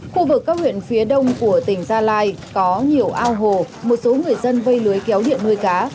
khu vực các huyện phía đông của tỉnh gia lai có nhiều ao hồ một số người dân vây lưới kéo điện nuôi cá